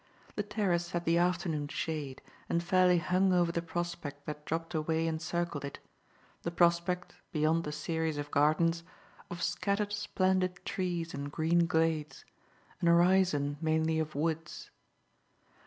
The terrace had the afternoon shade and fairly hung over the prospect that dropped away and circled it the prospect, beyond the series of gardens, of scattered splendid trees and green glades, an horizon mainly of woods.